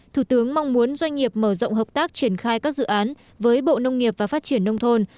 thủ tướng mong muốn doanh nghiệp mở rộng hợp tác triển khai các dự án với bộ nông nghiệp và phát triển nông thôn